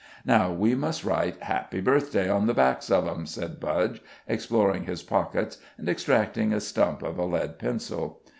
"Now, we must write 'Happy Birthday' on the backs of 'em," said Budge, exploring his pockets, and extracting a stump of a lead pencil.